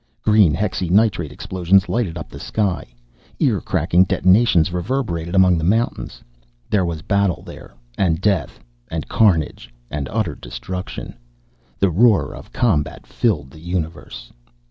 Green hexynitrate explosions lighted up the sky. Ear cracking detonations reverberated among the mountains. There was battle there, and death and carnage and utter destruction. The roar of combat filled the universe.